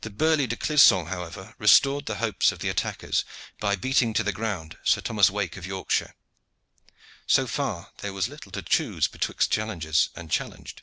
The burly De Clisson, however, restored the hopes of the attackers by beating to the ground Sir Thomas Wake of Yorkshire. So far, there was little to choose betwixt challengers and challenged.